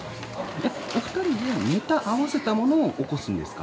お二人で、ネタ合わせたものを起こすんですか。